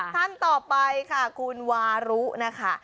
ท่านต่อไปค่ะคุณวารุนะคะ